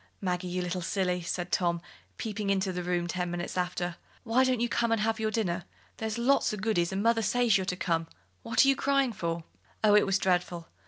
"Maggie, you little silly," said Tom, peeping into the room ten minutes after, "why don't you come and have your dinner? There's lots o' goodies, and mother says you're to come. What are you crying for?" Oh, it was dreadful!